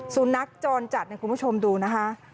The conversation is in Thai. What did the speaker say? สุนัขจรจัดคุณผู้ชมดูนะคะ